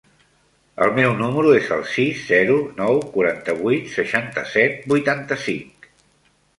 El meu número es el sis, zero, nou, quaranta-vuit, seixanta-set, vuitanta-cinc.